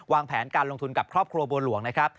วางแผนการลงทุนกับครอบครัวบัวหลวงนะครับ